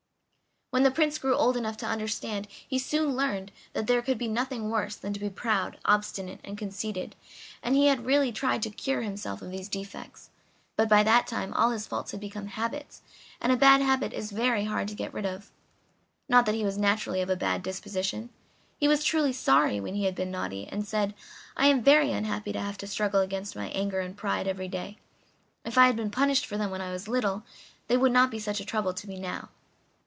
When the Prince grew old enough to understand, he soon learned that there could be nothing worse than to be proud, obstinate, and conceited, and he had really tried to cure himself of these defects, but by that time all his faults had become habits; and a bad habit is very hard to get rid of. Not that he was naturally of a bad disposition; he was truly sorry when he had been naughty, and said: "I am very unhappy to have to struggle against my anger and pride every day; if I had been punished for them when I was little they would not be such a trouble to me now."